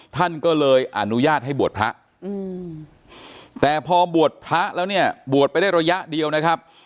ท่านก็เลยอนุญาตให้บวชพระแต่พอบวชพระแล้วเนี่ยบวชไปได้ระยะเดียวนะครับ